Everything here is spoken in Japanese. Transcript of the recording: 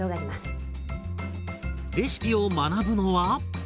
レシピを学ぶのは。